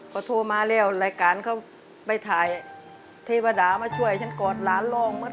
พอโทรมาแล้วรายการเขาไปถ่ายเทวดามาช่วยฉันกอดหลานร้องเหมือน